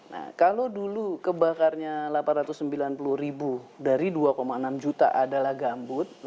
nah kalau dulu kebakarnya delapan ratus sembilan puluh ribu dari dua enam juta adalah gambut